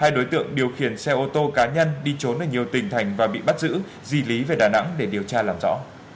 hai đối tượng điều khiển xe ô tô cá nhân đi trốn ở nhiều tỉnh thành và bị bắt giữ di lý về đà nẵng để điều tra làm rõ